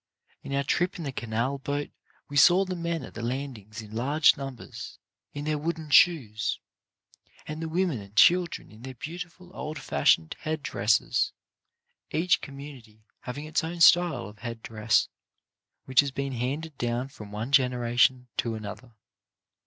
In our trip in the canal boat we saw the men at the landings in large numbers, in their wooden shoes, and the women and children in their beautiful, old fashioned head dresses, each community having its own style of head dress, which has been handed down from one generation to another.